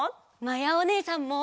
まやおねえさんも！